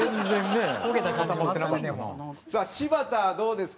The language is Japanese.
さあ柴田どうですか？